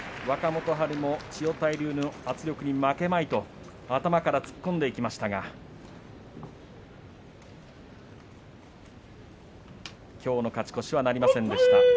若元春も千代大龍の圧力に負けまいと頭から突っ込んでいきましたがきょうの勝ち越しはなりませんでした。